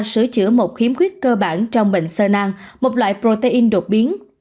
sửa chữa một khiếm khuyết cơ bản trong bệnh sơ nang một loại protein đột biến